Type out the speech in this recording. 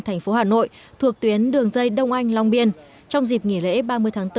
thành phố hà nội thuộc tuyến đường dây đông anh long biên trong dịp nghỉ lễ ba mươi tháng bốn